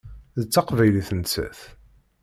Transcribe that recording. D taqbaylit nettat.